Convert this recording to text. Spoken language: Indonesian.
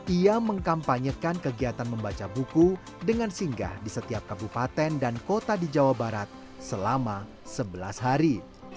ia mengkampanyekan kegiatan membaca buku dengan singgah di setiap kabupaten dan kota di jawa barat selama sebelas hari